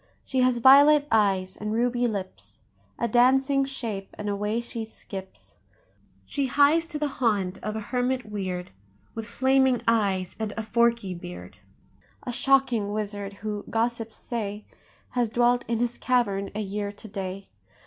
She has violet eyes and ruby lips, A dancing shape—and away she skips; She hies to the haunt of a hermit weird, With flaming eyes and a forky beard, A shocking wizard—who, gossips say, Has dwelt in his cavern a year to day.